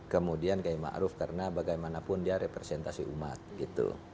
kemudian ke imaruf karena bagaimanapun dia representasi umat gitu